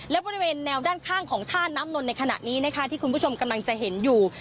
และบริเวณแนวด้านข้างของท่าน้ำนนทในขณะนี้นะคะที่คุณผู้ชมกำลังจะเห็นอยู่